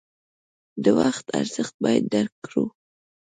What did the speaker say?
د وخت ارزښت باید درک کړو.